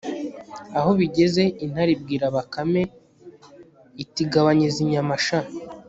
aho bigeze, intare ibwira bakame, itigabanya izi nyama sha